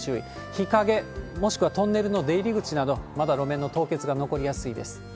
日陰、もしくはトンネルの出入り口など、まだ路面の凍結が残りやすいです。